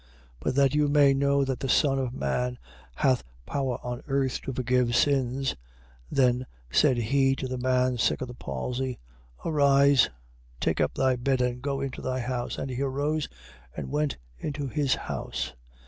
9:6. But that you may know that the Son of man hath power on earth to forgive sins, (then said he to the man sick of the palsy,) Arise, take up thy bed, and go into thy house. 9:7. And he arose, and went into his house.